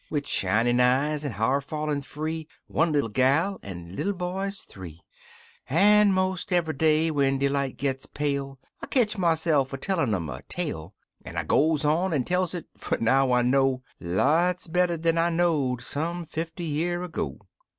Wid shinin' eyes an' ha'r fallin' free, One little gal, an' little boys three; An' mos' eve'y day when de light gits pale 1 ketch myse'f a teilin' um a tale, An' 1 goes on an' tells it — fer now I know Lots better dan I know'd some fifty year ago.